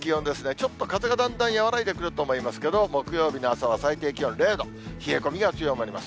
ちょっと風がだんだん和らいでくると思いますけれども、木曜日の朝は最低気温０度、冷え込みが強まります。